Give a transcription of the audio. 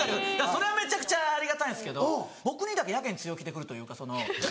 それはめちゃくちゃありがたいんですけど僕にだけやけに強気でくるというかその。